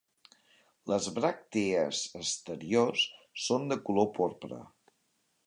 Les bràctees exteriors són de color porpra.